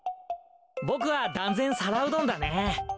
ぼくはだんぜん皿うどんだね！